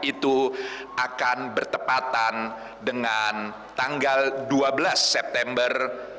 itu akan bertepatan dengan tanggal dua belas september